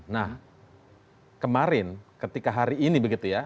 nah kemarin ketika hari ini begitu ya